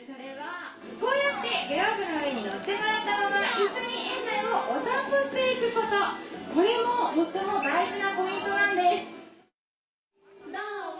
こうやって乗ってもらったまま一緒に園内をお散歩していくことこれもとても大事なポイントなんです。